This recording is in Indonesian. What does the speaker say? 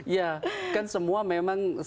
ya kan semua memang